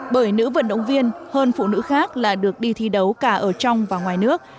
bởi nữ vận động viên hơn phụ nữ khác là được đi thi đấu cả ở trong và ngoài nước